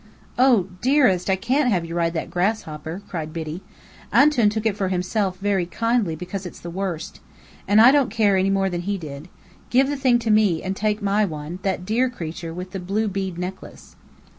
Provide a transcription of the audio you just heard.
"Oh, dearest, I can't have you ride that grasshopper!" cried Biddy. "'Antoun' took it for himself very kindly because it's the worst. And I don't care any more than he did. Give the thing to me, and take my one, that dear creature with the blue bead necklace."